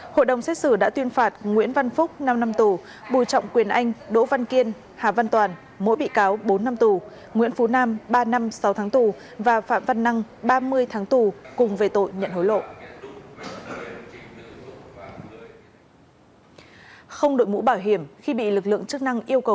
hội đồng xét xử đã tuyên phạt nguyễn văn phúc năm năm tù bùi trọng quyền anh đỗ văn kiên hà văn toàn mỗi bị cáo bốn năm tù nguyễn phú nam ba năm sáu tháng tù và phạm văn năng ba mươi tháng tù cùng về tội nhận hối lộ